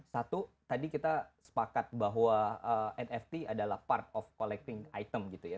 satu tadi kita sepakat bahwa nft adalah part of collecting item gitu ya